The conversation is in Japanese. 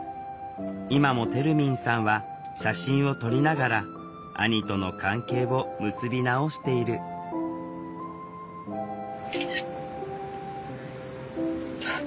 今もてるみんさんは写真を撮りながら兄との関係を結び直している空。